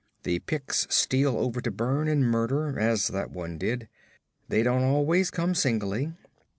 The Picts steal over to burn and murder as that one did. They don't always come singly.